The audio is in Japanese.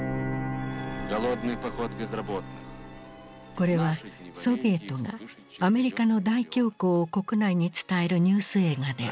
これはソビエトがアメリカの大恐慌を国内に伝えるニュース映画である。